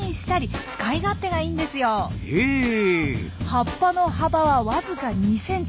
葉っぱの幅はわずか２ｃｍ。